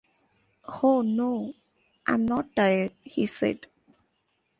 “Oh no; I’m not tired,” he said.